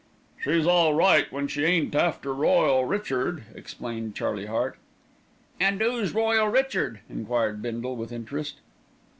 "She's all right when she ain't after 'Royal Richard,'" explained Charlie Hart. "An' who's Royal Richard?" enquired Bindle with interest.